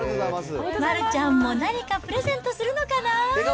丸ちゃんも何かプレゼントするのかな。